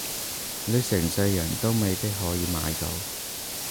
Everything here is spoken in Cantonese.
你成世人都未必可以買到